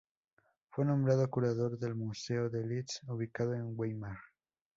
Fue nombrado curador del Museo de Liszt, ubicado en Weimar.